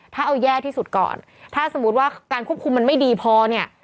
ถ้าเอาแย่ที่สุดก่อนถ้าสมมุติว่าการควบคุมมันไม่ดีพอเนี่ย